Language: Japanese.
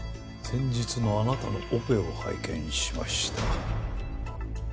先日のあなたのオペを拝見しました。